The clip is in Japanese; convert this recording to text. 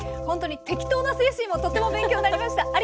ほんとに適当な精神もとっても勉強になりました。